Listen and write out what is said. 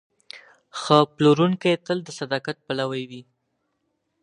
ښه پلورونکی تل د صداقت پلوی وي.